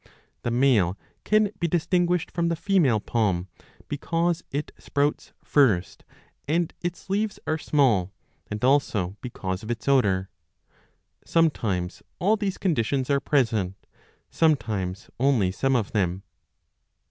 The male can be distinguished from the female palm, because it sprouts first and its leaves are small, and also because of its odour ; sometimes all these conditions are present, 20 sometimes only some of them.